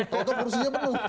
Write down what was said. kalau itu kursinya penuh